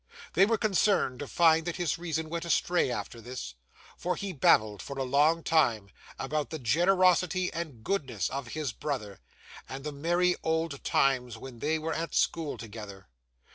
They were concerned to find that his reason went astray after this; for he babbled, for a long time, about the generosity and goodness of his brother, and the merry old times when they were at school together.